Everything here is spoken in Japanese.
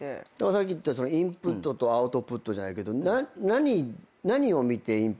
さっき言ったインプットとアウトプットじゃないけど何を見てインプット